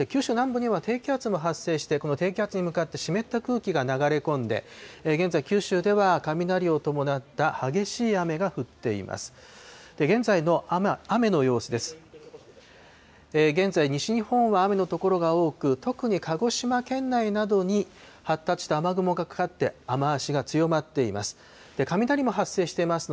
九州南部には低気圧も発生して、この低気圧に向かって湿った空気が流れ込んで、現在、九州では雷を伴った激しい雨が降っています。